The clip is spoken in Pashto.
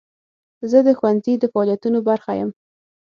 زه د ښوونځي د فعالیتونو برخه یم.